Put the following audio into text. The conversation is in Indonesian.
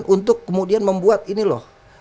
untuk kemudian membuat ini loh